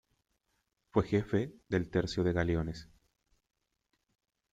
Fue jefe del Tercio de Galeones.